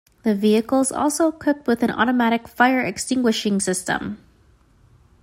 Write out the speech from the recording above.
The vehicle is also equipped with an automatic fire extinguishing system.